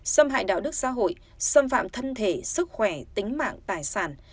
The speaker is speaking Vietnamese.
xâm hại đạo đức xã hội xâm phạm thân thể sức khỏe tính mạng tài sản